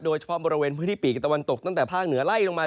โดยเฉพาะบริเวณพื้นที่ปีกตะวันตกตั้งแต่ภาคเหนือไล่ลงมา